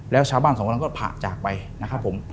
แล้วชาวบ้านสองคนนั้นก็ผ่าจากไปนะครับผม